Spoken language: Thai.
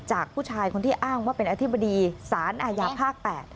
ผู้ชายคนที่อ้างว่าเป็นอธิบดีสารอาญาภาค๘